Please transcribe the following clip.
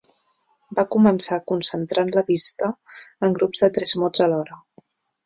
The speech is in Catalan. Va començar concentrant la vista en grups de tres mots alhora.